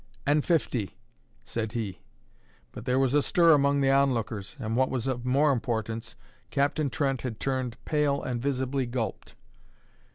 "And fifty," said he. But there was a stir among the onlookers, and what was of more importance, Captain Trent had turned pale and visibly gulped.